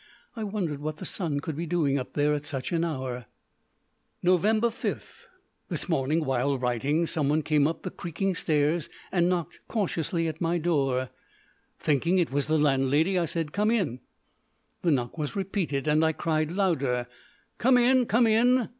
I wondered what the son could be doing up there at such an hour. Nov. 5. This morning, while writing, someone came up the creaking stairs and knocked cautiously at my door. Thinking it was the landlady, I said, "Come in!" The knock was repeated, and I cried louder, "Come in, come in!"